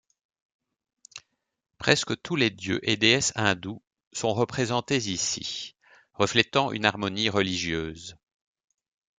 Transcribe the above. Presque tous les dieux et déesses hindous sont représentés ici, reflétant une harmonie religieuse.